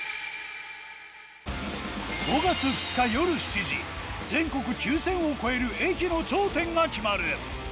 ５月２日よる７時全国９０００を超える駅の頂点が決まる！